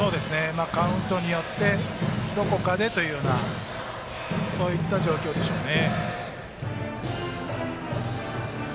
カウントによってどこかでというそういった状況でしょうね。